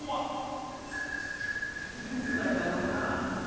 ・出づらいだろうな。